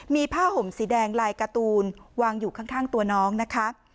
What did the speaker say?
มีผ้าห่มสีแดงลายการ์ตูนวางอยู่ข้างตัวน้องนะคะ